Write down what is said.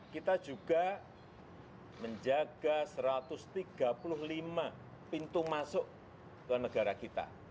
kita juga menjaga satu ratus tiga puluh lima pintu masuk ke negara kita